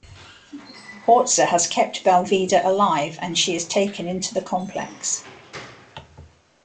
Horza has kept Balveda alive, and she is taken into the complex.